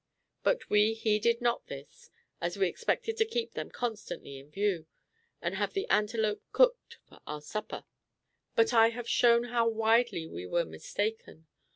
But we heeded not this, as we expected to keep them constantly in view, and have the antelope cooked for our supper. But I have shown how widely we were mistaken.